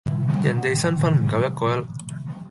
人哋新婚唔夠嗰一個禮拜